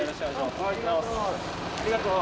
ありがとう。